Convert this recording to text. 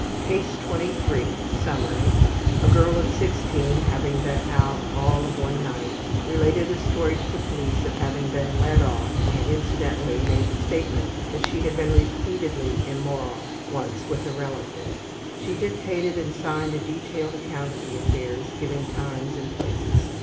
CASE 23 Summary: A girl of 16 having been out all of one night, related a story to the police of having been led off, and incidentally made the statement that she had been repeatedly immoral, once with a relative. She dictated and signed a detailed account of the affairs, giving times and places.